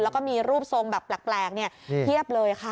แล้วก็มีรูปทรงแบบแปลกเพียบเลยค่ะ